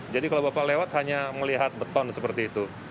jadi kalau bapak lewat hanya melihat beton seperti itu